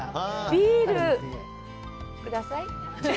ビール、ください。